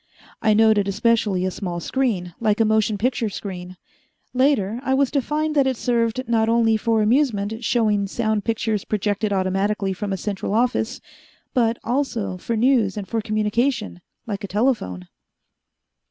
I noted especially a small screen, like a motion picture screen. Later I was to find that it served not only for amusement, showing sound pictures projected automatically from a central office, but also for news and for communication, like a telephone.